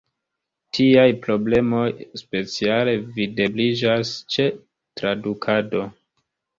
Tiaj problemoj speciale videbliĝas ĉe tradukado.